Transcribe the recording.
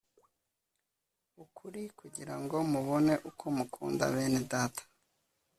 ukuri kugira ngo mubone uko mukunda bene data